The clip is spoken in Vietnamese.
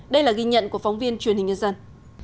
đây là ghi nhận của phóng viên truyền hình nhân dân